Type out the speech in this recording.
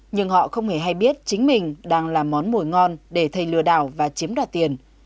nhưng họ không hề hay biết chính mình đang làm món mùi ngon để thầy lừa đảo và chiếm đạt tiền